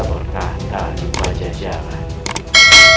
bertahta di pajajaran